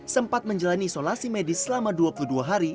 sempat menjalani isolasi medis selama dua puluh dua hari